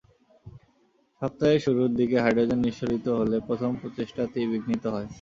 সপ্তাহের শুরুর দিকে হাইড্রোজেন নিঃসরিত হলে প্রথম প্রচেষ্টাটি বিঘ্নিত হয়।